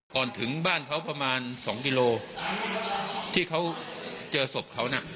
ก่อนถึงบ้านเขาประมาณ๒กิโลที่เขาเจอศพเขาน่ะ